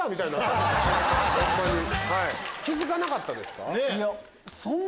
気付かなかったですか？